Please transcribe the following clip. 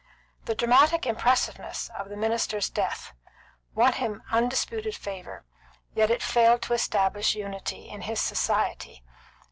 The dramatic impressiveness of the minister's death won him undisputed favour, yet it failed to establish unity in his society.